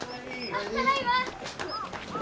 あっただいま。